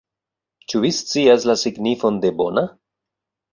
Ĉu vi scias la signifon de bona?